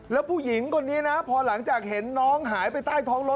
แล้วผู้หญิงคนนี้นะพอหลังจากเห็นน้องหายไปใต้ท้องรถ